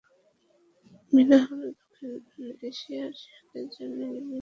মীনা হল দক্ষিণ এশিয়ার শিশুদের জন্য নির্মিত মীনা নামক কার্টুনের প্রধান চরিত্র।